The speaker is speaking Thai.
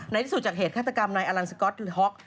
ในที่สุดจากเหตุฆาตกรรมนายอลันสก๊อตฮ็อก